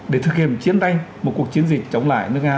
để thực hiện chiến tranh một cuộc chiến dịch chống lại nước nga